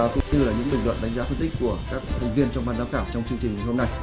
cũng như là những bình luận đánh giá phân tích của các thành viên trong bàn giám khảo trong chương trình hôm nay